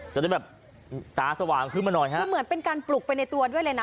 จะได้แบบตาสว่างขึ้นมาหน่อยฮะคือเหมือนเป็นการปลุกไปในตัวด้วยเลยนะ